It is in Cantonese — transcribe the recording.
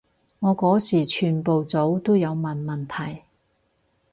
我嗰時全部組都有問問題